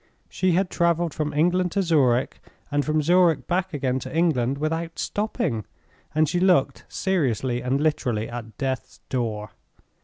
She had traveled from England to Zurich, and from Zurich back again to England, without stopping; and she looked, seriously and literally, at death's door.